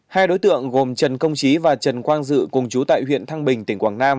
hai đối tượng gồm trần công trí và trần quang dự cùng chú tại huyện thăng bình tỉnh quảng nam